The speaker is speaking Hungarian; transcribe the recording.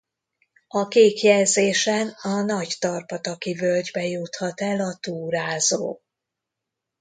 A kék jelzésen a Nagy-Tarpataki-völgybe juthat el a túrázó.